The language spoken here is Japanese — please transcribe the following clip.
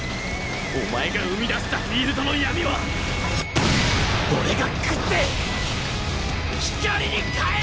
お前が生み出したフィールドの闇は俺が喰って光に変える！！